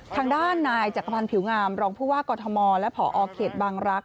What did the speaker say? ทางด้านนายจักรพันธ์ผิวงามรองผู้ว่ากอทมและผอเขตบางรักษ